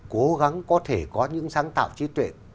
cố gắng có thể có những sáng tạo trí tuệ